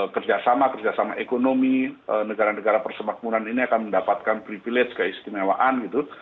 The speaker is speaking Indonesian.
kerjasama kerjasama ekonomi negara negara persemakmuran ini akan mendapatkan privilege keistimewaan gitu